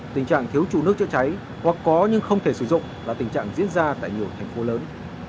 tình trạng thiếu trụ nước chữa cháy hoặc có nhưng không thể sử dụng là tình trạng diễn ra tại nhiều thành phố lớn